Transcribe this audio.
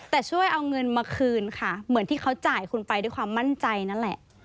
แต่ช่วยเอาเงินมาคืนค่ะเหมือนที่เขาจ่ายคุณไปด้วยความมั่นใจนั่นแหละ